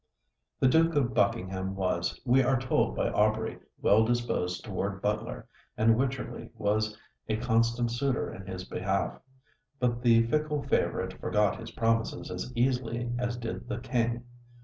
The Duke of Buckingham was, we are told by Aubrey, well disposed towards Butler, and Wycherley was a constant suitor in his behalf; but the fickle favorite forgot his promises as easily as did the King.